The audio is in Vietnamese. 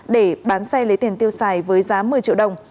để bán xe lấy tiền tiêu xài với giá một mươi triệu đồng